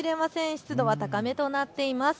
湿度は高めとなっています。